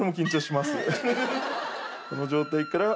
この状態から。